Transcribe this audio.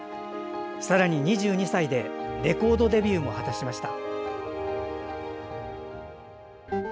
さらに２２歳でレコードデビューも果たしました。